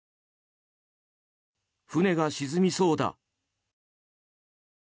船が沈みそうだ。